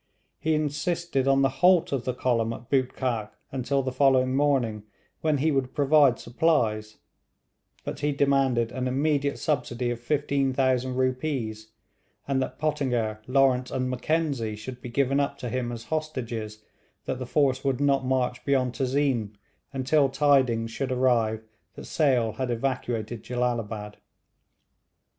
He insisted on the halt of the column at Bootkhak until the following morning, when he would provide supplies, but he demanded an immediate subsidy of 15,000 rupees, and that Pottinger, Lawrence and Mackenzie should be given up to him as hostages that the force would not march beyond Tezeen until tidings should arrive that Sale had evacuated Jellalabad.